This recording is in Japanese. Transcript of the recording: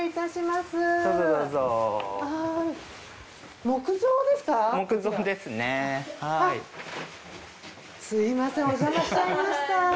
すみませんおじゃましちゃいました。